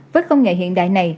với công nghệ hiện đại này